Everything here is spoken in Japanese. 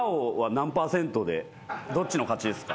どっちの勝ちですか？